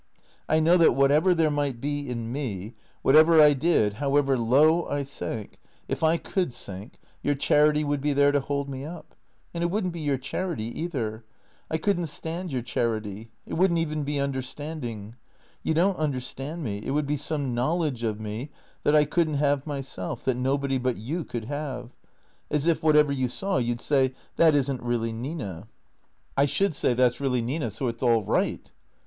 I know that, whatever there might be in me, whatever I did, however low I sank — if I could sink — your charity would be there to hold me up. And it would n't be your charity, either. I could n't stand your charity. It would n't even be understanding. You don't understand me. It would be some knowledge of me that I could n't have myself, that nobody but you could have. As if whatever you saw you 'd say, ' That'is n't really Nina,' " 184 THE CEEATOES " I should say, ' That 's really Nina, so it 's all right.'